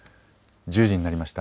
１０時になりました。